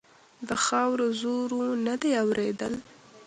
د خاورو زور و؛ نه دې اورېدل.